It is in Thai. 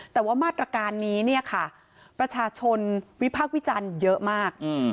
แต่ว่ามาตรการนี้เนี่ยค่ะประชาชนวิพากษ์วิจารณ์เยอะมาก